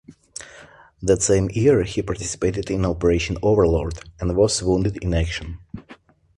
That same year he participated in Operation Overlord and was wounded in action.